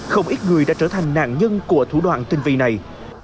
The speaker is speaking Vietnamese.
không ít người đã trở thành nạn nhân của thủ đoạn tinh vi này